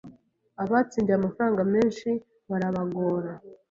abatsindiye amafaranga menshi barabagora